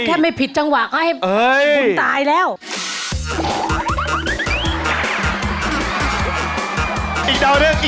ฝากไว้กับฉันนะหัวใจของเธอและเบอร์โทร